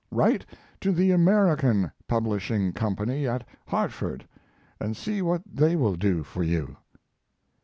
Write to the American Publishing Company at Hartford and see what they will do for you."